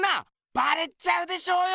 バレちゃうでしょうよ！